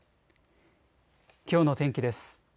きょうの天気です。